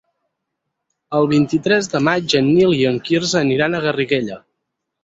El vint-i-tres de maig en Nil i en Quirze aniran a Garriguella.